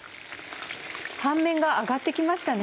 半面が揚がって来ましたね。